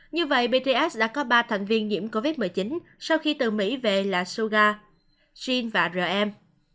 như vậy bts đã có ba thành viên nhiễm covid một mươi chín sau khi từ mỹ về là suga shin và rm